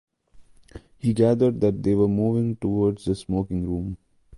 He gathered that they were moving towards the smoking-room.